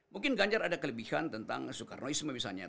mungkin ganjar ada kelebihan tentang soekarnoisme misalnya